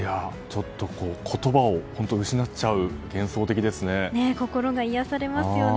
言葉を失っちゃう幻想的ですね。